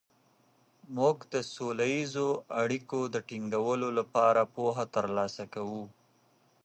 موږ د سوله ییزو اړیکو د ټینګولو لپاره پوهه ترلاسه کوو.